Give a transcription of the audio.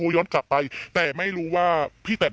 ว่าไหนเนี่ยว่ามายิง